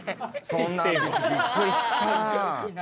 そんなんびっくりした。